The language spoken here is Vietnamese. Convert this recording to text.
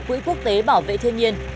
quỹ quốc tế bảo vệ thiên nhiên